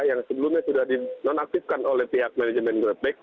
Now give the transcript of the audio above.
yang sebelumnya sudah dinonaktifkan oleh pihak manajemen grepek